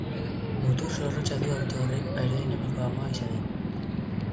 Mutur zorrotza du auto horrek aerodinamikoagoa izateko.